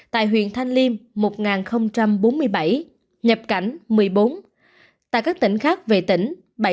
tại huyện thanh liêm một bốn mươi bảy nhập cảnh một mươi bốn tại các tỉnh khác về tỉnh bảy trăm tám mươi sáu